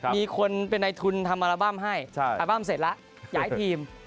มีคนเป็นในทุนทำอัลบั้มให้อัลบั้มเสร็จแล้วย้ายทีม